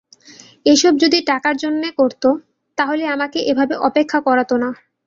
এসব যদি টাকার জন্যে করত তাহলে আমাকে এভাবে অপেক্ষা করাতো না।